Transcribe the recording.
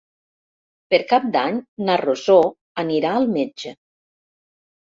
Per Cap d'Any na Rosó anirà al metge.